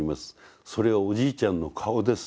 それはおじいちゃんの顔です。